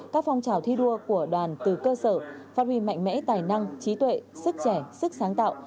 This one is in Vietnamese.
các phong trào thi đua của đoàn từ cơ sở phát huy mạnh mẽ tài năng trí tuệ sức trẻ sức sáng tạo